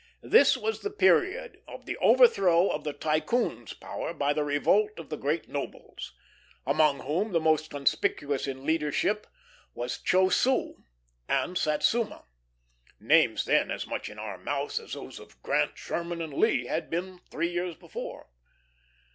This was the period of the overthrow of the Tycoon's power by the revolt of the great nobles, among whom the most conspicuous in leadership were Chiosiu and Satsuma; names then as much in our mouths as those of Grant, Sherman, and Lee had been three years before.